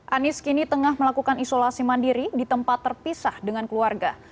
anies kini tengah melakukan isolasi mandiri di tempat terpisah dengan keluarga